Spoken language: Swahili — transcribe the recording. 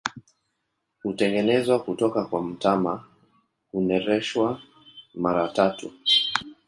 Hutengenezwa kutoka kwa mtama, hunereshwa mara tatu.